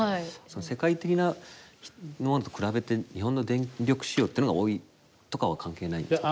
世界的なものと比べて日本の電力使用っていうのが多いとかは関係ないんですか？